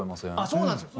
そうなんですよ。